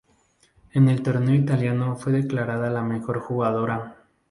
En el torneo italiano fue declarada la mejor jugadora.